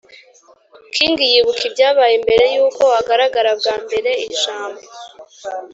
”king yibuka ibyabaye mbere yuko agaragara bwa mbere ijambo.